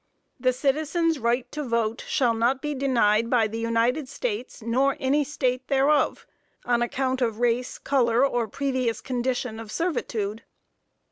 "The citizen's right to vote shall not be denied by the United States, nor any state thereof; on account of race, color, or previous condition of servitude."